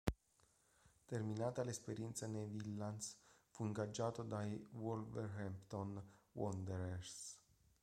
Terminata l'esperienza nei "Villans", fu ingaggiato dai Wolverhampton Wanderers.